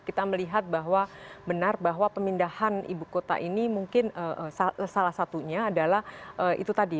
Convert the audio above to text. kita melihat bahwa benar bahwa pemindahan ibu kota ini mungkin salah satunya adalah itu tadi